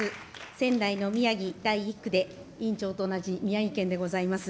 仙台の宮城第１区で委員長と同じ宮城県でございます。